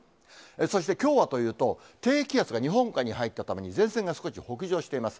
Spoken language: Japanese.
そして、きょうはというと、低気圧が日本海に入ったために、前線が少し北上しています。